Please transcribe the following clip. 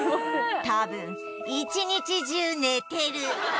多分一日中寝てる